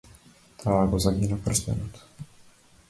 Таа го загина прстенот.